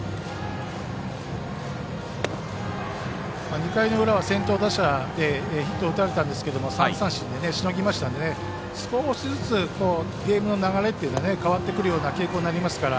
２回の裏は先頭打者ヒットを打たれたんですけども３三振でしのぎましたので少しずつゲームの流れが変わってくるような傾向になりますから